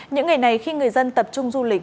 những ngày này khi người dân tập trung du lịch